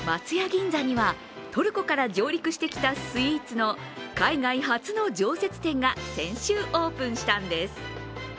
銀座には、トルコから上陸してきたスイーツの海外初の常設展が先週オープンしたんです。